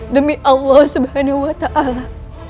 demi allah subhanahu wa ta'ala